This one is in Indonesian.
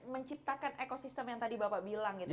menciptakan ekosistem yang tadi bapak bilang gitu